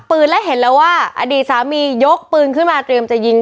และเห็นแล้วว่าอดีตสามียกปืนขึ้นมาเตรียมจะยิง